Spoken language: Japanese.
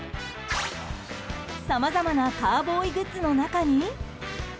さまざまなカウボーイグッズの中に。